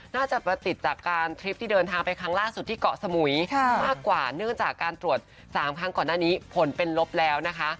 น่าจะประติดจากการทริปที่เดินทางไปครั้งล่าสุดที่เกาะสมุยมากกว่าเนื่องจากการตรวจ๓ครั้งก่อนหน้านี้ผลเป็นลบแล้วนะคะ